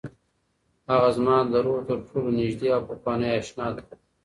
هغه زما د روح تر ټولو نږدې او پخوانۍ اشنا ده.